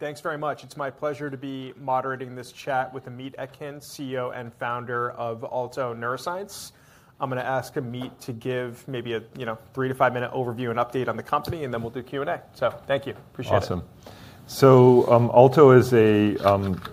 Thanks very much. It's my pleasure to be moderating this chat with Amit Etkin, CEO and founder of Alto Neuroscience. I'm going to ask Amit to give maybe a three to five-minute overview and update on the company, and then we'll do Q&A. Thank you. Appreciate it. Awesome. Alto is a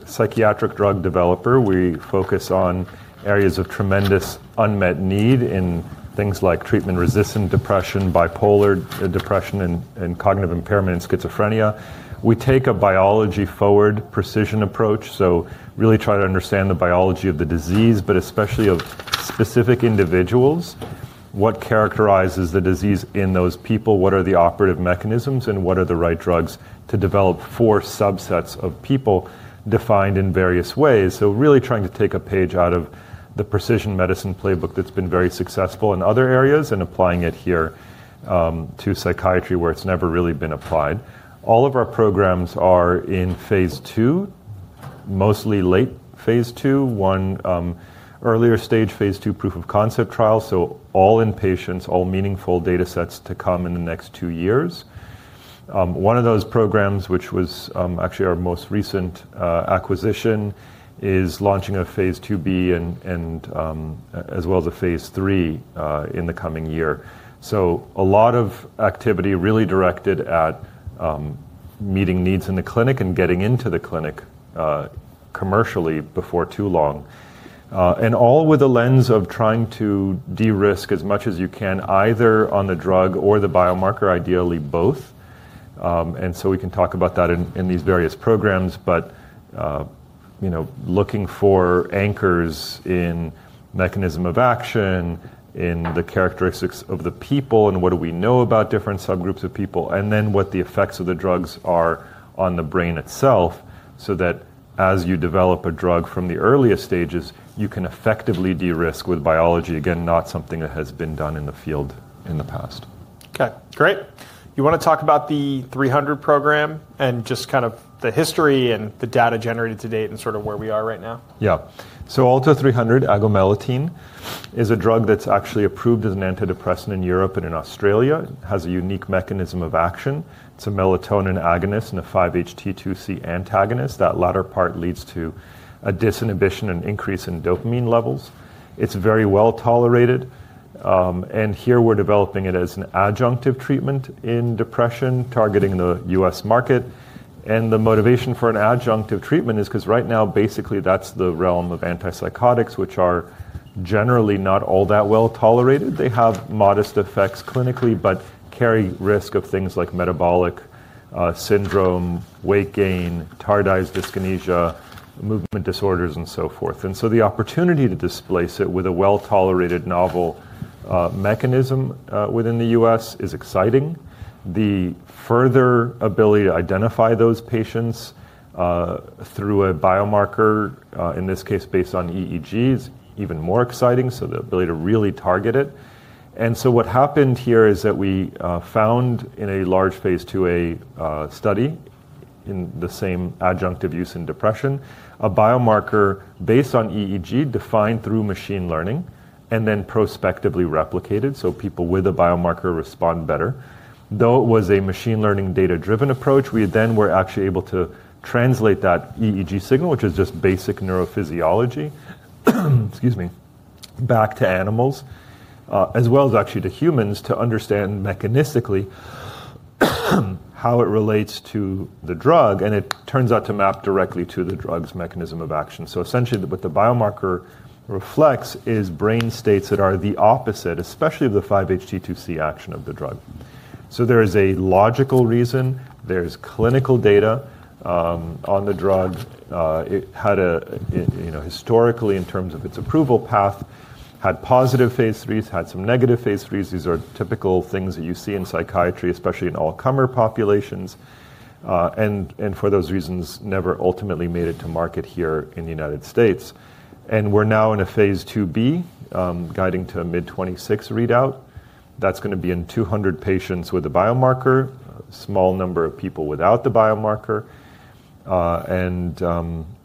psychiatric drug developer. We focus on areas of tremendous unmet need in things like treatment-resistant depression, bipolar depression, and cognitive impairment, and schizophrenia. We take a biology-forward precision approach, so really try to understand the biology of the disease, but especially of specific individuals. What characterizes the disease in those people? What are the operative mechanisms? What are the right drugs to develop for subsets of people defined in various ways? Really trying to take a page out of the precision medicine playbook that's been very successful in other areas and applying it here to psychiatry where it's never really been applied. All of our programs are in phase 2, mostly late phase 2, one earlier stage phase 2 proof of concept trial. All in patients, all meaningful data sets to come in the next two years. One of those programs, which was actually our most recent acquisition, is launching a phase 2B as well as a phase 3 in the coming year. A lot of activity really directed at meeting needs in the clinic and getting into the clinic commercially before too long, and all with a lens of trying to de-risk as much as you can, either on the drug or the biomarker, ideally both. We can talk about that in these various programs, but looking for anchors in mechanism of action, in the characteristics of the people, and what do we know about different subgroups of people, and then what the effects of the drugs are on the brain itself so that as you develop a drug from the earliest stages, you can effectively de-risk with biology, again, not something that has been done in the field in the past. Ok, great. You want to talk about the 300 program and just kind of the history and the data generated to date and sort of where we are right now? Yeah. Alto 300, agomelatine, is a drug that's actually approved as an antidepressant in Europe and in Australia. It has a unique mechanism of action. It's a melatonin agonist and a 5-HT2C antagonist. That latter part leads to a disinhibition and increase in dopamine levels. It's very well tolerated. Here we're developing it as an adjunctive treatment in depression, targeting the U.S. market. The motivation for an adjunctive treatment is because right now, basically, that's the realm of antipsychotics, which are generally not all that well tolerated. They have modest effects clinically but carry risk of things like metabolic syndrome, weight gain, tardive dyskinesia, movement disorders, and so forth. The opportunity to displace it with a well-tolerated novel mechanism within the U.S. is exciting. The further ability to identify those patients through a biomarker, in this case based on EEGs, is even more exciting, so the ability to really target it. What happened here is that we found in a large phase 2A study in the same adjunctive use in depression, a biomarker based on EEG defined through machine learning and then prospectively replicated, so people with a biomarker respond better. Though it was a machine learning data-driven approach, we then were actually able to translate that EEG signal, which is just basic neurophysiology, excuse me, back to animals, as well as actually to humans, to understand mechanistically how it relates to the drug. It turns out to map directly to the drug's mechanism of action. Essentially, what the biomarker reflects is brain states that are the opposite, especially of the 5-HT2C action of the drug. There is a logical reason. There is clinical data on the drug. It had historically, in terms of its approval path, had positive phase threes, had some negative phase 3. These are typical things that you see in psychiatry, especially in Alzheimer populations. For those reasons, it never ultimately made it to market here in the United States. We are now in a phase 2B, guiding to a mid-2026 readout. That is going to be in 200 patients with a biomarker, a small number of people without the biomarker.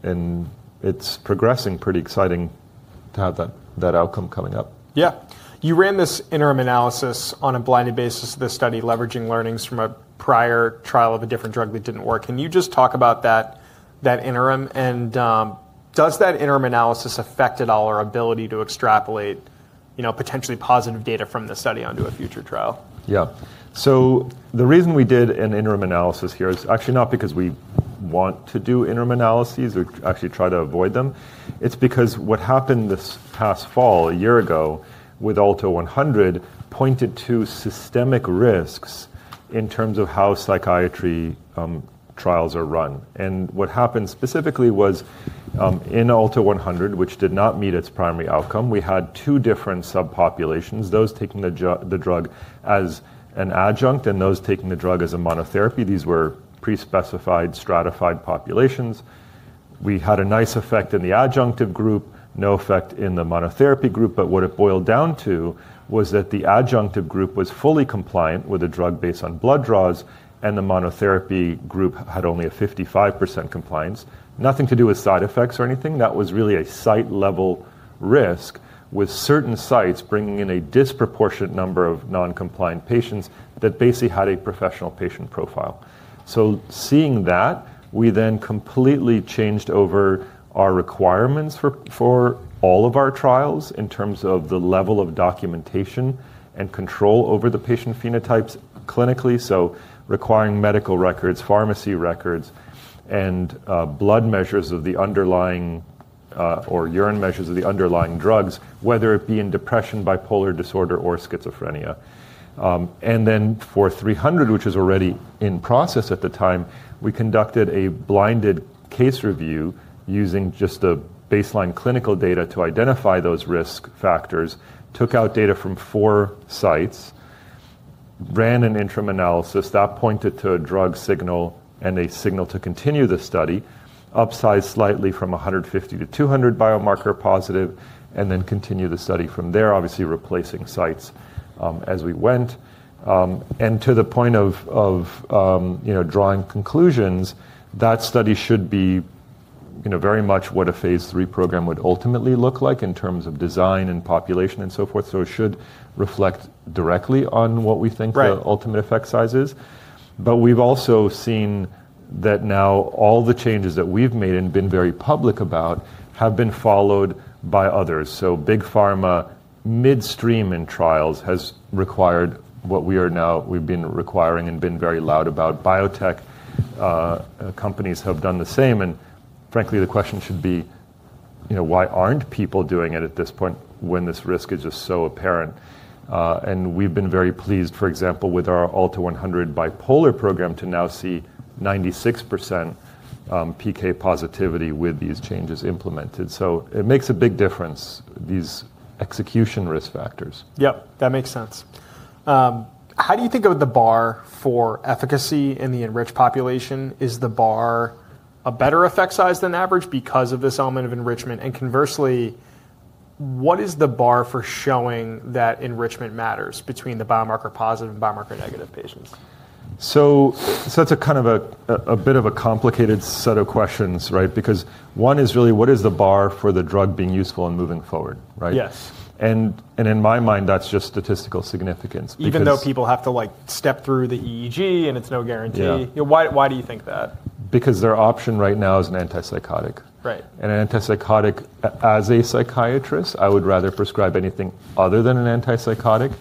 It is progressing. Pretty exciting to have that outcome coming up. Yeah. You ran this interim analysis on a blinded basis of this study, leveraging learnings from a prior trial of a different drug that didn't work. Can you just talk about that interim? Does that interim analysis affect at all our ability to extrapolate potentially positive data from the study onto a future trial? Yeah. The reason we did an interim analysis here is actually not because we want to do interim analyses or actually try to avoid them. It is because what happened this past fall, a year ago, with Alto 100 pointed to systemic risks in terms of how psychiatry trials are run. What happened specifically was in Alto 100, which did not meet its primary outcome, we had two different subpopulations, those taking the drug as an adjunct and those taking the drug as a monotherapy. These were pre-specified, stratified populations. We had a nice effect in the adjunctive group, no effect in the monotherapy group. What it boiled down to was that the adjunctive group was fully compliant with a drug based on blood draws, and the monotherapy group had only a 55% compliance, nothing to do with side effects or anything. That was really a site-level risk, with certain sites bringing in a disproportionate number of non-compliant patients that basically had a professional patient profile. Seeing that, we then completely changed over our requirements for all of our trials in terms of the level of documentation and control over the patient phenotypes clinically, requiring medical records, pharmacy records, and blood measures of the underlying or urine measures of the underlying drugs, whether it be in depression, bipolar disorder, or schizophrenia. For 300, which was already in process at the time, we conducted a blinded case review using just the baseline clinical data to identify those risk factors, took out data from four sites, ran an interim analysis that pointed to a drug signal and a signal to continue the study, upsized slightly from 150-200 biomarker positive, and then continued the study from there, obviously replacing sites as we went. To the point of drawing conclusions, that study should be very much what a phase 3 program would ultimately look like in terms of design and population and so forth. It should reflect directly on what we think the ultimate effect size is. We've also seen that now all the changes that we've made and been very public about have been followed by others. Big pharma, midstream in trials, has required what we are now we've been requiring and been very loud about. Biotech companies have done the same. Frankly, the question should be, why aren't people doing it at this point when this risk is just so apparent? We've been very pleased, for example, with our Alto 100 bipolar program to now see 96% PK positivity with these changes implemented. It makes a big difference, these execution risk factors. Yeah, that makes sense. How do you think of the bar for efficacy in the enriched population? Is the bar a better effect size than average because of this element of enrichment? Conversely, what is the bar for showing that enrichment matters between the biomarker positive and biomarker negative patients? That's a kind of a bit of a complicated set of questions, right? Because one is really, what is the bar for the drug being useful and moving forward? Yes. In my mind, that's just statistical significance. Even though people have to step through the EEG and it's no guarantee, why do you think that? Because their option right now is an antipsychotic. And an antipsychotic, as a psychiatrist, I would rather prescribe anything other than an antipsychotic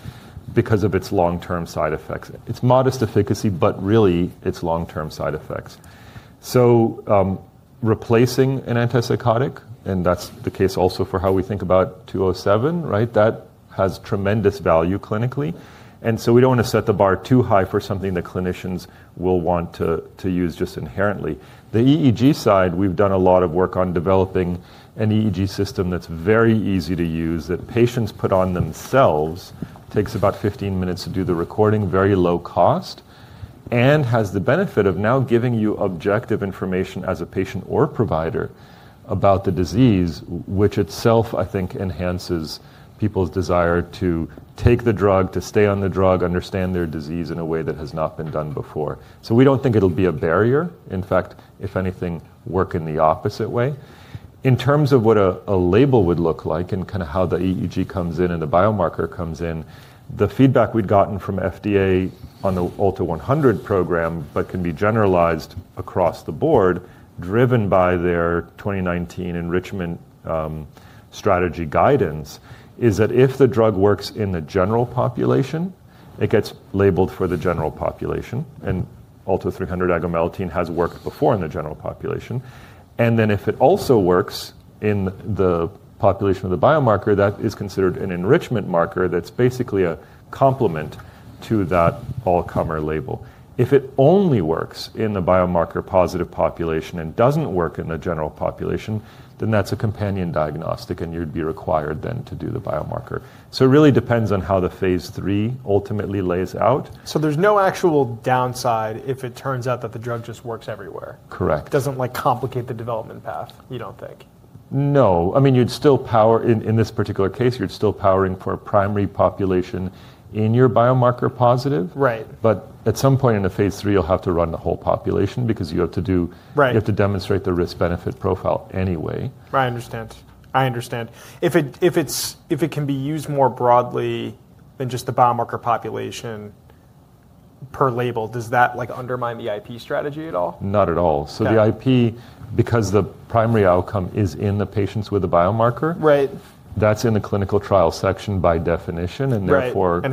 because of its long-term side effects. Its modest efficacy, but really, its long-term side effects. Replacing an antipsychotic, and that's the case also for how we think about 207, right? That has tremendous value clinically. We do not want to set the bar too high for something that clinicians will want to use just inherently. The EEG side, we've done a lot of work on developing an EEG system that's very easy to use that patients put on themselves. Takes about 15 minutes to do the recording, very low cost, and has the benefit of now giving you objective information as a patient or provider about the disease, which itself, I think, enhances people's desire to take the drug, to stay on the drug, understand their disease in a way that has not been done before. We do not think it'll be a barrier. In fact, if anything, work in the opposite way. In terms of what a label would look like and kind of how the EEG comes in and the biomarker comes in, the feedback we'd gotten from FDA on the Alto 100 program, but can be generalized across the board, driven by their 2019 enrichment strategy guidance, is that if the drug works in the general population, it gets labeled for the general population. Alto 300 agomelatine has worked before in the general population. If it also works in the population of the biomarker, that is considered an enrichment marker that's basically a complement to that AlcoMer label. If it only works in the biomarker positive population and doesn't work in the general population, then that's a companion diagnostic, and you'd be required then to do the biomarker. It really depends on how the phase three ultimately lays out. There's no actual downside if it turns out that the drug just works everywhere? Correct. It doesn't complicate the development path, you don't think? No. I mean, you'd still power, in this particular case, you're still powering for a primary population in your biomarker positive. Right. At some point in the phase 3, you'll have to run the whole population because you have to demonstrate the risk-benefit profile anyway. I understand. If it can be used more broadly than just the biomarker population per label, does that undermine the IP strategy at all? Not at all. The IP, because the primary outcome is in the patients with the biomarker, that's in the clinical trial section by definition. Therefore. That's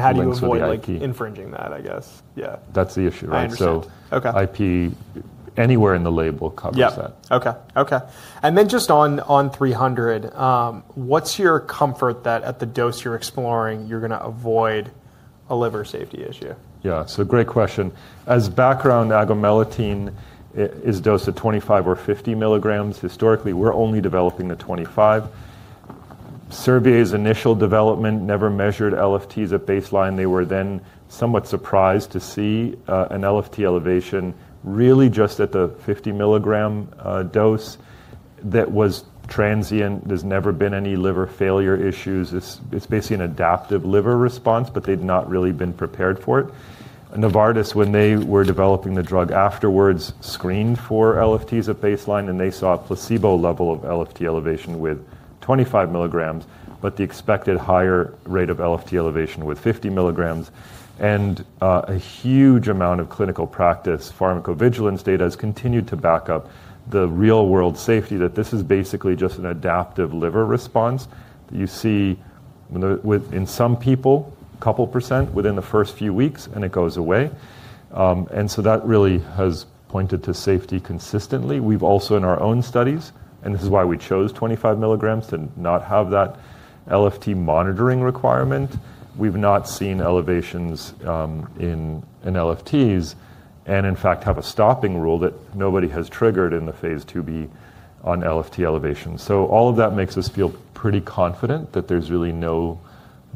the issue IP anywhere in the label covers that. Yeah, ok. And then just on 300, what's your comfort that at the dose you're exploring, you're going to avoid a liver safety issue? Yeah. Great question. As background, agomelatine is dosed at 25 mg or 50 mg. Historically, we're only developing the 25. Servier's initial development never measured LFTs at baseline. They were then somewhat surprised to see an LFT elevation really just at the 50 mg dose that was transient. There's never been any liver failure issues. It's basically an adaptive liver response, but they'd not really been prepared for it. Novartis, when they were developing the drug afterwards, screened for LFTs at baseline, and they saw a placebo level of LFT elevation with 25 mg, but the expected higher rate of LFT elevation with 50 mg. A huge amount of clinical practice pharmacovigilance data has continued to back up the real-world safety that this is basically just an adaptive liver response that you see in some people, a couple percent within the first few weeks, and it goes away. That really has pointed to safety consistently. We've also in our own studies, and this is why we chose 25 milligrams to not have that LFT monitoring requirement, we've not seen elevations in LFTs and in fact have a stopping rule that nobody has triggered in the phase two B on LFT elevation. All of that makes us feel pretty confident that there's really no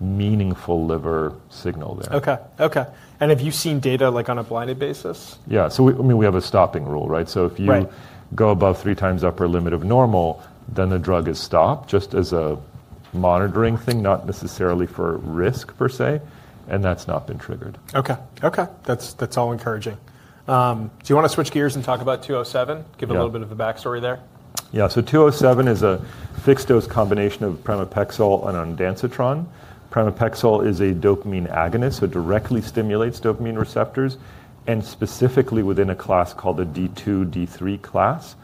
meaningful liver signal there. Ok. Have you seen data on a blinded basis? Yeah. So I mean, we have a stopping rule, right? If you go above three times upper limit of normal, then the drug is stopped just as a monitoring thing, not necessarily for risk per se. That's not been triggered. Ok. That's all encouraging. Do you want to switch gears and talk about 207? Give a little bit of a backstory there. Yeah. 207 is a fixed-dose combination of pramipexole and ondansetron. Pramipexole is a dopamine agonist, so it directly stimulates dopamine receptors and specifically within a class called the D2, D3 class.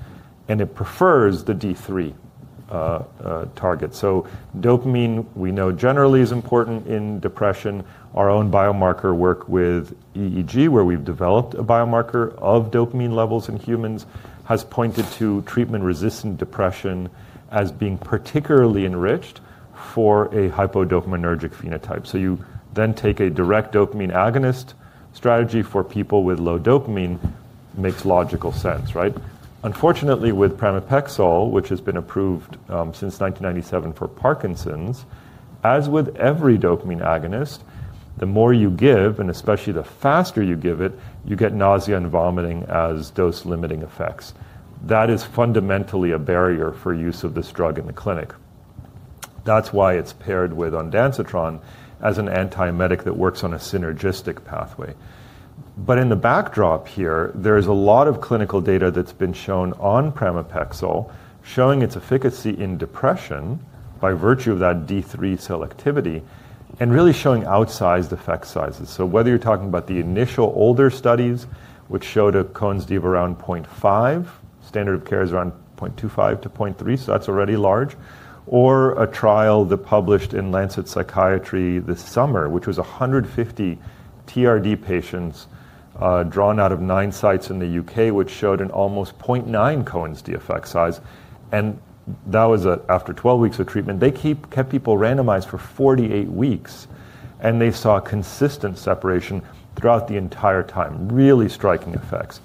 It prefers the D3 target. Dopamine, we know, generally is important in depression. Our own biomarker work with EEG, where we've developed a biomarker of dopamine levels in humans, has pointed to treatment-resistant depression as being particularly enriched for a hypodopaminergic phenotype. You then take a direct dopamine agonist strategy for people with low dopamine, makes logical sense, right? Unfortunately, with pramipexole, which has been approved since 1997 for Parkinson's, as with every dopamine agonist, the more you give, and especially the faster you give it, you get nausea and vomiting as dose-limiting effects. That is fundamentally a barrier for use of this drug in the clinic. That's why it's paired with ondansetron as an antiemetic that works on a synergistic pathway. In the backdrop here, there is a lot of clinical data that's been shown on pramipexole showing its efficacy in depression by virtue of that D3 selectivity and really showing outsized effect sizes. Whether you're talking about the initial older studies, which showed a Cohen's D of around 0.5, standard of care is around 0.25-0.3, so that's already large, or a trial that published in Lancet Psychiatry this summer, which was 150 TRD patients drawn out of nine sites in the U.K., which showed an almost 0.9 Cohen's D effect size. That was after 12 weeks of treatment. They kept people randomized for 48 weeks, and they saw consistent separation throughout the entire time, really striking effects.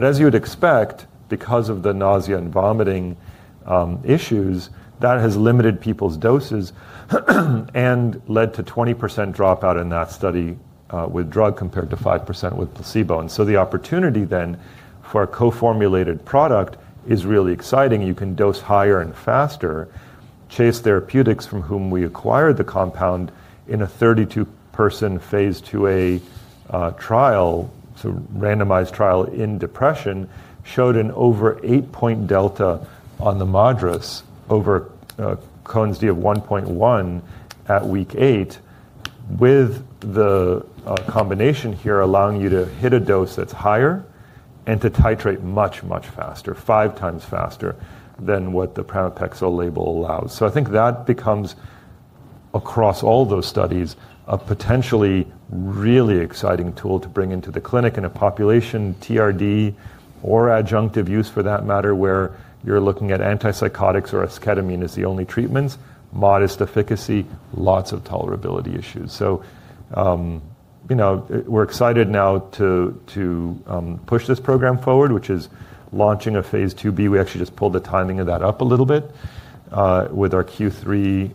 As you would expect, because of the nausea and vomiting issues, that has limited people's doses and led to a 20% dropout in that study with drug compared to 5% with placebo. The opportunity then for a co-formulated product is really exciting. You can dose higher and faster. Chase Therapeutics, from whom we acquired the compound in a 32-person phase two A trial, so randomized trial in depression, showed an over 8-point delta on the moderates over Cohen's D of 1.1 at week eight, with the combination here allowing you to hit a dose that's higher and to titrate much, much faster, five times faster than what the pramipexole label allows. I think that becomes, across all those studies, a potentially really exciting tool to bring into the clinic in a population TRD or adjunctive use for that matter, where you're looking at antipsychotics or esketamine as the only treatments, modest efficacy, lots of tolerability issues. We're excited now to push this program forward, which is launching a phase 2B. We actually just pulled the timing of that up a little bit with our Q3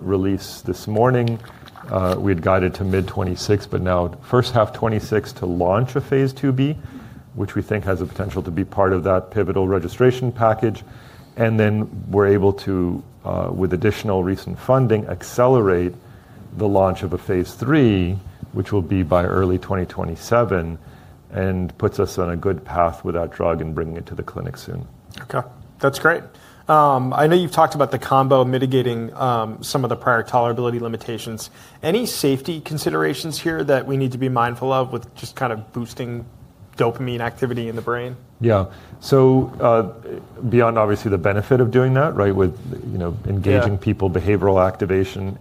release this morning. We had guided to mid-2026, but now first half 2026 to launch a phase 2B, which we think has the potential to be part of that pivotal registration package. Then we're able to, with additional recent funding, accelerate the launch of a phase 3, which will be by early 2027, and puts us on a good path with that drug and bringing it to the clinic soon. Ok. That's great. I know you've talked about the combo mitigating some of the prior tolerability limitations. Any safety considerations here that we need to be mindful of with just kind of boosting dopamine activity in the brain? Yeah. So beyond obviously the benefit of doing that, right, with engaging people, behavioral activation,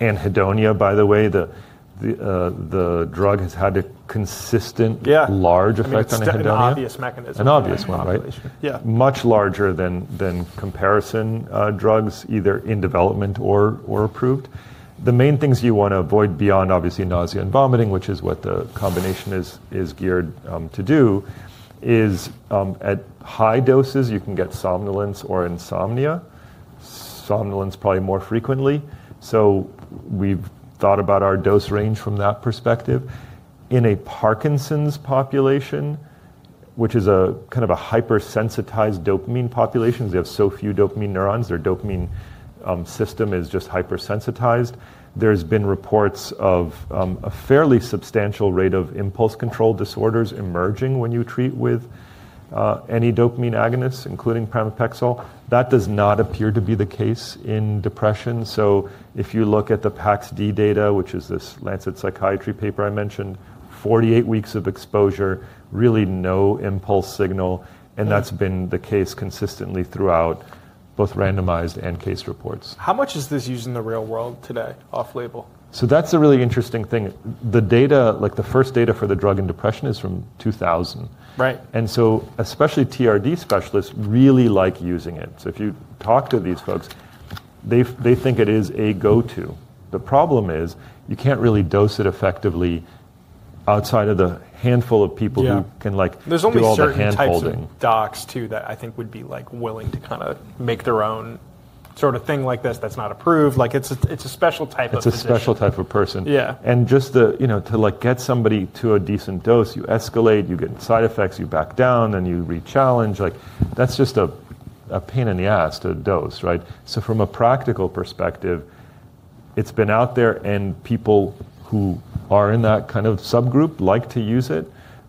anhedonia, by the way, the drug has had consistent large effects on anhedonia. Yeah. It's an obvious mechanism of regulation. An obvious one, right? Yeah. Much larger than comparison drugs, either in development or approved. The main things you want to avoid beyond obviously nausea and vomiting, which is what the combination is geared to do, is at high doses, you can get somnolence or insomnia. Somnolence probably more frequently. We have thought about our dose range from that perspective. In a Parkinson's population, which is a kind of a hypersensitized dopamine population, they have so few dopamine neurons, their dopamine system is just hypersensitized. There have been reports of a fairly substantial rate of impulse control disorders emerging when you treat with any dopamine agonists, including pramipexole. That does not appear to be the case in depression. If you look at the PAX-D data, which is this Lancet Psychiatry paper I mentioned, 48 weeks of exposure, really no impulse signal. That has been the case consistently throughout both randomized and case reports. How much is this used in the real world today off-label? That's a really interesting thing. The data, like the first data for the drug in depression, is from 2000. Right. Especially TRD specialists really like using it. If you talk to these folks, they think it is a go-to. The problem is you can't really dose it effectively outside of the handful of people who can like draw your hand holding. There's only certain types of docs too that I think would be willing to kind of make their own sort of thing like this that's not approved. Like it's a special type of person. It's a special type of person. Yeah. To get somebody to a decent dose, you escalate, you get side effects, you back down, then you re-challenge. That is just a pain in the ass to dose, right? From a practical perspective, it has been out there, and people who are in that kind of subgroup like to use it,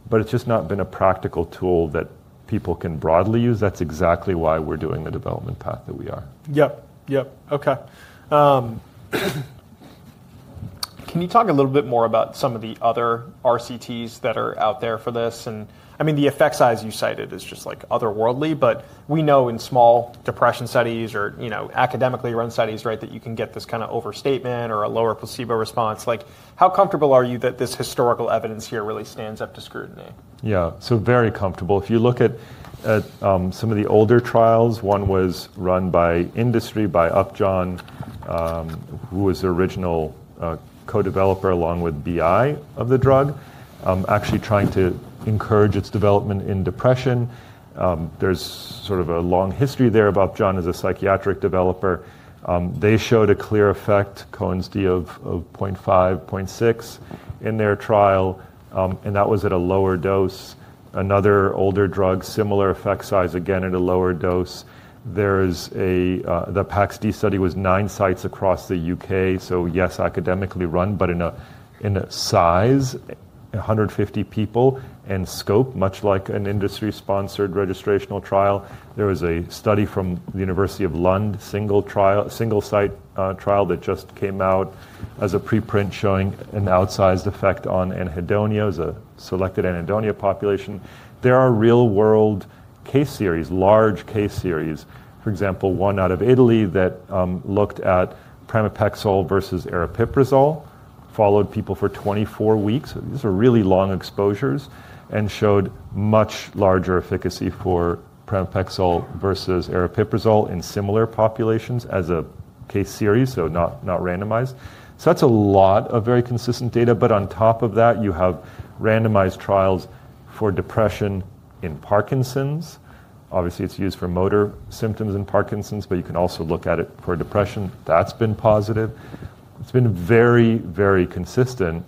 but it has just not been a practical tool that people can broadly use. That is exactly why we are doing the development path that we are. Yep. Ok. Can you talk a little bit more about some of the other RCTs that are out there for this? I mean, the effect size you cited is just like otherworldly, but we know in small depression studies or academically run studies, right, that you can get this kind of overstatement or a lower placebo response. How comfortable are you that this historical evidence here really stands up to scrutiny? Yeah. So very comfortable. If you look at some of the older trials, one was run by industry by Upjohn, who was the original co-developer along with BI of the drug, actually trying to encourage its development in depression. There's sort of a long history there of Upjohn as a psychiatric developer. They showed a clear effect, Cohen's D of 0.5, 0.6 in their trial, and that was at a lower dose. Another older drug, similar effect size, again at a lower dose. There is the PAX-D study was nine sites across the U.K., so yes, academically run, but in size, 150 people and scope, much like an industry-sponsored registrational trial. There was a study from the University of Lund, single site trial that just came out as a preprint showing an outsized effect on anhedonia, a selected anhedonia population. There are real-world case series, large case series. For example, one out of Italy that looked at pramipexole versus aripiprazole, followed people for 24 weeks. These are really long exposures and showed much larger efficacy for pramipexole versus aripiprazole in similar populations as a case series, so not randomized. That is a lot of very consistent data, but on top of that, you have randomized trials for depression in Parkinson's. Obviously, it is used for motor symptoms in Parkinson's, but you can also look at it for depression. That has been positive. It has been very, very consistent.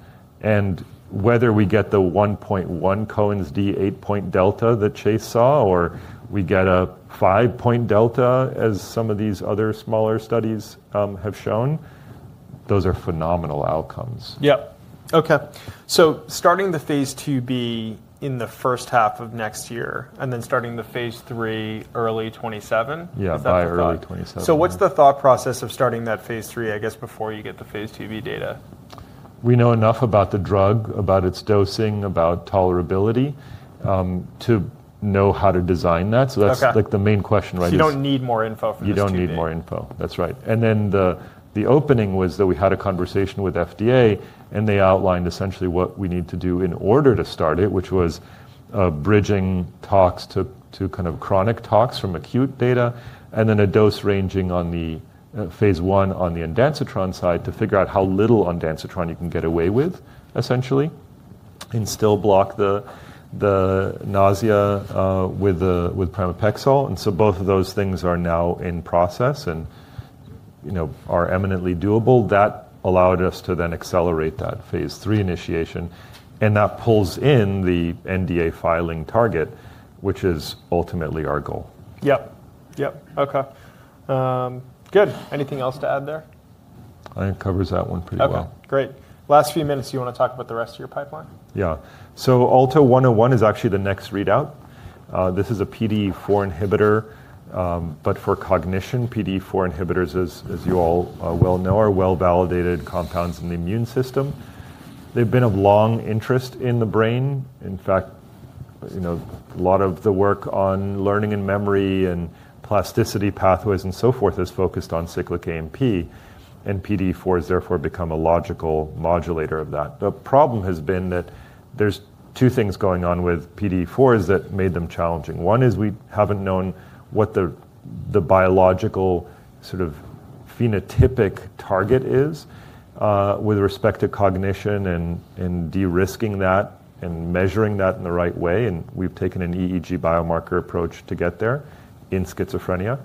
Whether we get the 1.1 Cohen's D 8-point delta that Chase saw, or we get a 5-point delta, as some of these other smaller studies have shown, those are phenomenal outcomes. Yep. OK. So starting the phase 2b in the first half of next year, and then starting the phase 3 early 2027? Yeah, by early 2027. What's the thought process of starting that phase three, I guess, before you get the phase 2B data? We know enough about the drug, about its dosing, about tolerability, to know how to design that. That's the main question, right? You don't need more info for this study. You don't need more info. That's right. The opening was that we had a conversation with FDA, and they outlined essentially what we need to do in order to start it, which was bridging talks to kind of chronic talks from acute data, and then a dose ranging on the phase one on the ondansetron side to figure out how little ondansetron you can get away with, essentially, and still block the nausea with pramipexole. Both of those things are now in process and are eminently doable. That allowed us to then accelerate that phase three initiation. That pulls in the NDA filing target, which is ultimately our goal. Yep. Ok. Good. Anything else to add there? I think it covers that one pretty well. Ok. Great. Last few minutes, you want to talk about the rest of your pipeline? Yeah. Alto 101 is actually the next readout. This is a PDE4 inhibitor, but for cognition. PDE4 inhibitors, as you all well know, are well-validated compounds in the immune system. They've been of long interest in the brain. In fact, a lot of the work on learning and memory and plasticity pathways and so forth is focused on cyclic AMP, and PDE4 has therefore become a logical modulator of that. The problem has been that there are two things going on with PDE4s that made them challenging. One is we haven't known what the biological sort of phenotypic target is with respect to cognition and de-risking that and measuring that in the right way. We've taken an EEG biomarker approach to get there in schizophrenia.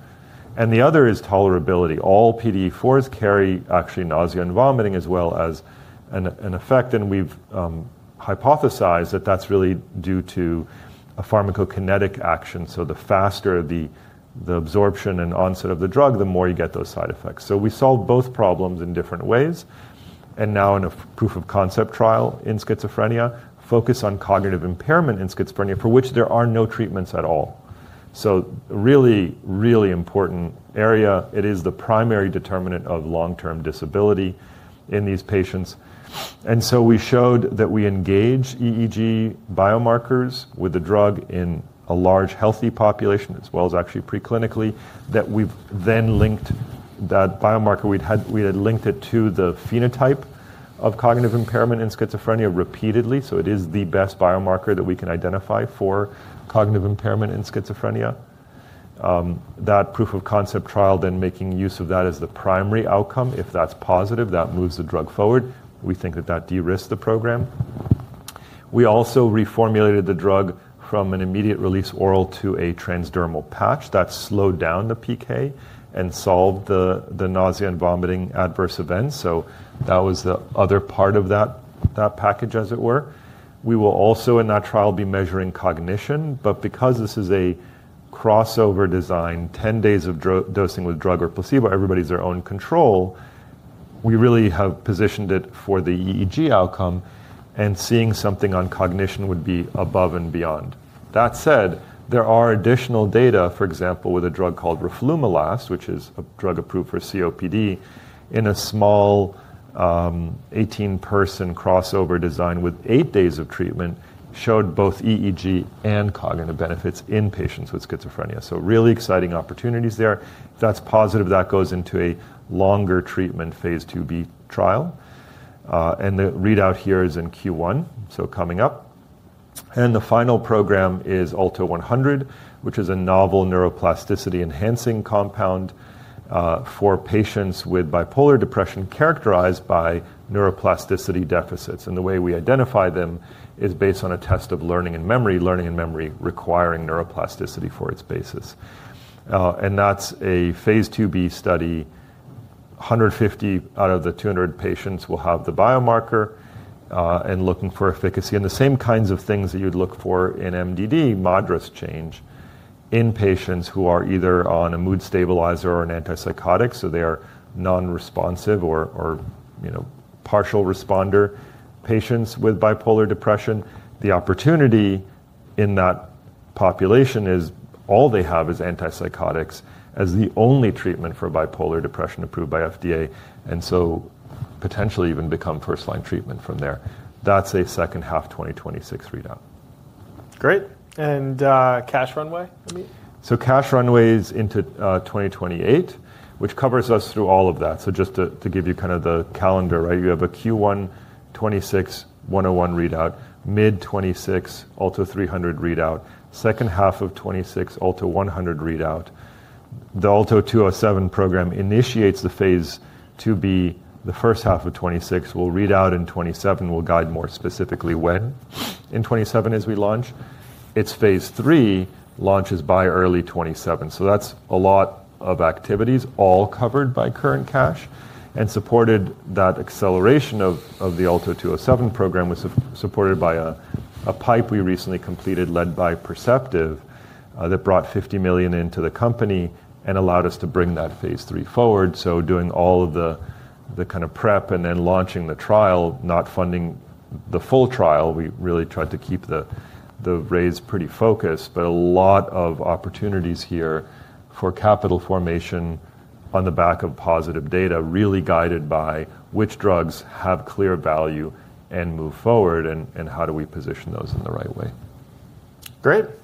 The other is tolerability. All PDE4s carry actually nausea and vomiting as well as an effect. We have hypothesized that that is really due to a pharmacokinetic action. The faster the absorption and onset of the drug, the more you get those side effects. We solve both problems in different ways. Now in a proof of concept trial in schizophrenia, focus on cognitive impairment in schizophrenia, for which there are no treatments at all. It is a really, really important area. It is the primary determinant of long-term disability in these patients. We showed that we engage EEG biomarkers with the drug in a large healthy population, as well as actually preclinically, that we have then linked that biomarker. We had linked it to the phenotype of cognitive impairment in schizophrenia repeatedly. It is the best biomarker that we can identify for cognitive impairment in schizophrenia. That proof of concept trial then making use of that as the primary outcome. If that's positive, that moves the drug forward. We think that that de-risked the program. We also reformulated the drug from an immediate release oral to a transdermal patch. That slowed down the PK and solved the nausea and vomiting adverse events. That was the other part of that package, as it were. We will also in that trial be measuring cognition, but because this is a crossover design, 10 days of dosing with drug or placebo, everybody's their own control. We really have positioned it for the EEG outcome, and seeing something on cognition would be above and beyond. That said, there are additional data, for example, with a drug called Roflumilast, which is a drug approved for COPD, in a small 18-person crossover design with eight days of treatment, showed both EEG and cognitive benefits in patients with schizophrenia. Really exciting opportunities there. If that's positive, that goes into a longer treatment phase 2B trial. The readout here is in Q1, so coming up. The final program is Alto 100, which is a novel neuroplasticity-enhancing compound for patients with bipolar depression characterized by neuroplasticity deficits. The way we identify them is based on a test of learning and memory, learning and memory requiring neuroplasticity for its basis. That's a phase 22B study. 150 out of the 200 patients will have the biomarker and looking for efficacy. The same kinds of things that you'd look for in MDD, moderate change in patients who are either on a mood stabilizer or an antipsychotic, so they are non-responsive or partial responder patients with bipolar depression. The opportunity in that population is all they have is antipsychotics as the only treatment for bipolar depression approved by FDA, and so potentially even become first-line treatment from there. That's a second half 2026 readout. Great. And cash runway? Cash runway is into 2028, which covers us through all of that. Just to give you kind of the calendar, right, you have a Q1 2026 101 readout, mid 2026 Alto 300 readout, second half of 2026 Alto 100 readout. The Alto 207 program initiates the phase 2B. The first half of 2026 will read out in 2027. We'll guide more specifically when in 2027 as we launch. Its phase three launches by early 2027. That's a lot of activities all covered by current cash and supported. That acceleration of the Alto 207 program was supported by a PIPE we recently completed led by Perceptive that brought $50 million into the company and allowed us to bring that phase 3 forward. Doing all of the kind of prep and then launching the trial, not funding the full trial, we really tried to keep the raise pretty focused, but a lot of opportunities here for capital formation on the back of positive data, really guided by which drugs have clear value and move forward, and how do we position those in the right way. Great. All right.